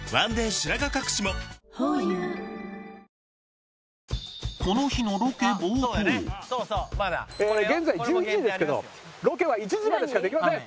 白髪かくしもホーユー現在１１時ですけどロケは１時までしかできません。